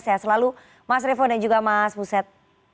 saya selalu mas revo dan juga mas muset